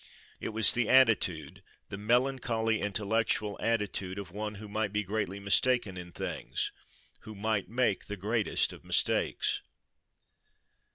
It was the attitude, the melancholy intellectual attitude, of one who might be greatly mistaken in things—who might make the greatest of mistakes.